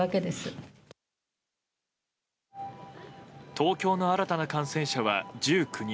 東京の新たな感染者は１９人。